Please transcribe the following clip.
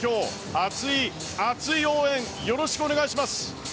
熱い熱い応援よろしくお願いします。